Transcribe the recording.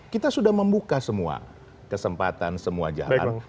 kita sudah membuka semua kesempatan semua jalan